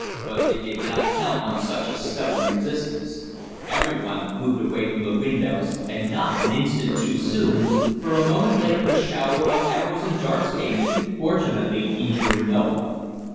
But they did not count on such a stubborn resistance. Every one moved away from the windows, and not an instant too soon, for, a moment later, a shower of arrows and darts came in, fortunately injuring no one.